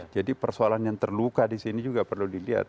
jadi persoalan yang terluka disini juga perlu dilihat